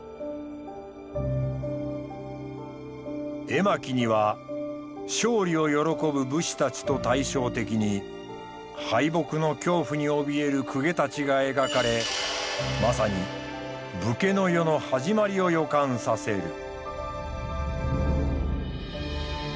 絵巻には勝利を喜ぶ武士たちと対照的に敗北の恐怖におびえる公家たちが描かれまさに武家の世の始まりを予感させる。